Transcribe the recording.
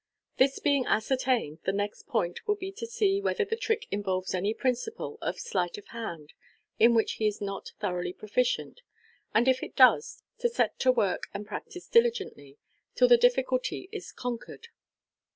This being ascertained, the next point will be to see whether the trick involves any principle of sleight of hand in which he is not thoroughly proficient j and if it does, to set to work and practise diligently, till the difficulty is conquered.